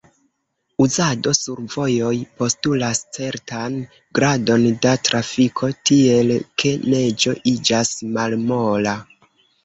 Uzado sur vojoj postulas certan gradon da trafiko, tiel ke neĝo iĝas malmola.